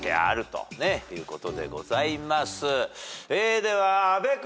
では阿部君。